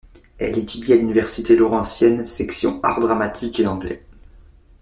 Elle étudie à l'Université Laurentienne, section art dramatique et anglais.